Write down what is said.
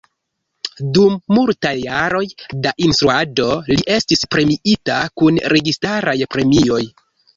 Dum multaj jaroj da instruado li estis premiita kun registaraj premioj.